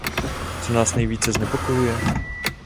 Co nás nejvíce znepokojuje?